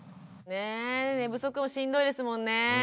寝不足もしんどいですもんねぇ。